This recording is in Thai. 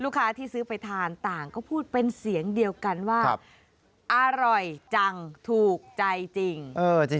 ค้าที่ซื้อไปทานต่างก็พูดเป็นเสียงเดียวกันว่าอร่อยจังถูกใจจริง